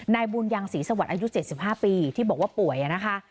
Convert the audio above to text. นายบุญยังศรีสวรรค์อายุ๗๕ปีที่บอกว่าป่วยนะคะ